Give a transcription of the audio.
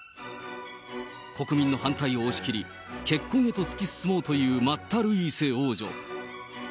国民の反対を押し切り、結婚へと突き進もうというマッタ・ルイーセ王女。